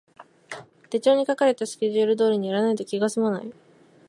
手帳に書かれたスケジュール通りにやらないと気がすまない